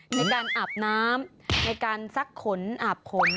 ในการอาบน้ำในการซักขนอาบขน